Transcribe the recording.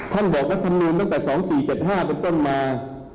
ท่านบอกรัฐธรรมนุนตั้งแต่๒๔๗๕มันต้องมา